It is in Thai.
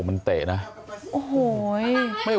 ตังค์อะไรอีก